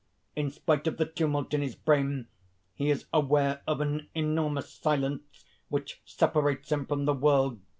In spite of the tumult in his brain, he is aware of an enormous silence which separates him from the world.